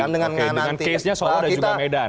dengan casenya soal ada juga medan